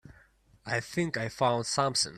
I think I found something.